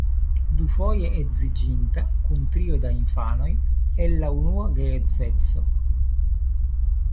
Dufoje edziĝinta, kun trio da infanoj el la unua geedzeco.